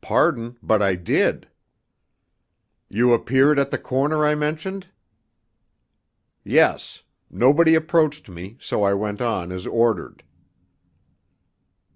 "Pardon, but I did." "You appeared at the corner I mentioned?" "Yes. Nobody approached me, so I went on as ordered."